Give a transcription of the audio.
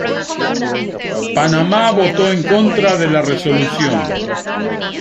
Panamá voto en contra de la resolución.